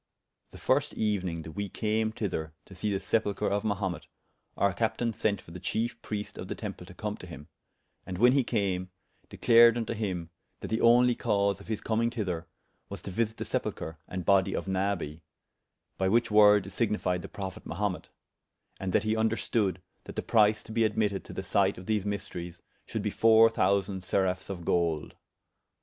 The first euening that we came thyther to see the sepulchre of Mahumet, our captayne [p.341] sent for the chiefe priest of the temple to come to him, and when he came, declared vnto him that the only cause of his commyng thyther was to visite the sepulchre and bodie of Nabi, by which woord is signified the prophet Mahumet; and that he vnderstoode that the price to be admitted to the syght of these mysteries should be foure thousande seraphes of golde.